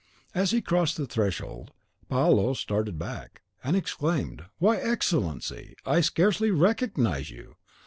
As he crossed his threshold, Paolo started back, and exclaimed, "Why, Excellency! I scarcely recognise you!